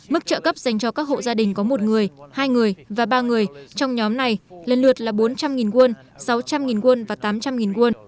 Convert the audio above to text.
mức trợ cấp dành cho các hộ gia đình có một người hai người và ba người trong nhóm này lần lượt là bốn trăm linh won sáu trăm linh won và tám trăm linh won